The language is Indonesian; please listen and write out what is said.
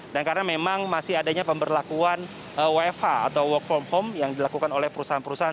dan karena memang masih adanya pemberlakuan wfa atau work from home yang dilakukan oleh perusahaan perusahaan